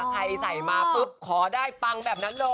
ใครใส่มาปุ๊บขอได้ปังแบบนั้นเลย